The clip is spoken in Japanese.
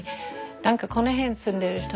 何かこの辺住んでる人